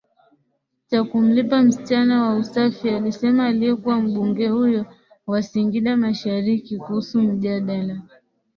cha kumlipa msichana wa usafi alisema aliyekuwa mbunge huyo wa Singida MasharikiKuhusu mjadala